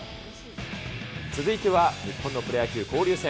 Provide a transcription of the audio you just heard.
続いては日本のプロ野球、交流戦。